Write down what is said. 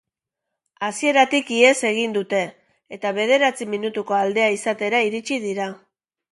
Hasieratik ihes egin dute, eta bederatzi minutuko aldea izatera iritsi dira.